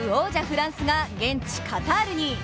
フランスが現地カタールに。